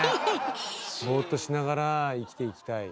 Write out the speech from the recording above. ボーっとしながら生きていきたい。